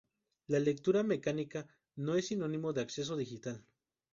La lectura mecánica no es sinónimo de acceso digital.